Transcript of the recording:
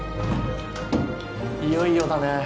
いよいよだね